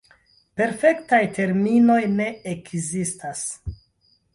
Perfektaj terminoj ne ekzistas.